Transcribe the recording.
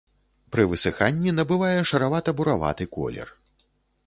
Пры высыханні набывае шаравата-бураваты колер.